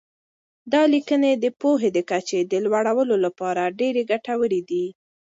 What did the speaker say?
دا لیکنې د پوهې د کچې د لوړولو لپاره ډېر ګټورې دي.